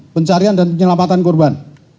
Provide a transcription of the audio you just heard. pencarian dan penyelamatan korban